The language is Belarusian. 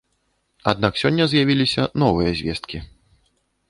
Аднак сёння з'явіліся новыя звесткі.